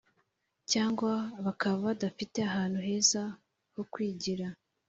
Cyangwa bakaba badafite ahantu heza ho kwigira